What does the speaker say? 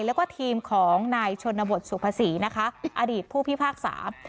แล้วก็ทีมของนายชนบทสุภาษีนะคะอดีตผู้พิพากษา